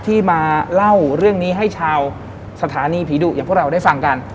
ที่มาเล่าเรื่องนี้ให้ชาวสถานีผีดุอย่างพวกเราได้ฟังกัน